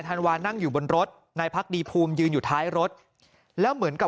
ธันวานั่งอยู่บนรถนายพักดีภูมิยืนอยู่ท้ายรถแล้วเหมือนกับ